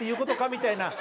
みたいな。